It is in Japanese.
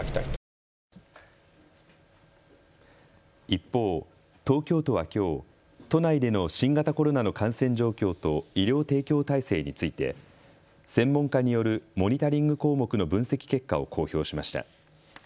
一方、東京都はきょう都内での新型コロナの感染状況と医療提供体制について専門家によるモニタリング項目の分析結果を公表しました。